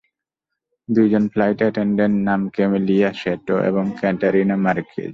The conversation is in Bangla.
দুজন ফ্লাইট অ্যাটেন্ডেন্ট, নাম ক্যামেলিয়া স্যাটো এবং ক্যাটরিনা মার্কেজ।